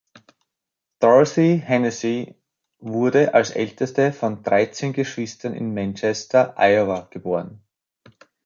Dorothy Hennessey wurde als ältestes von dreizehn Geschwistern in Manchester, Iowa, geboren.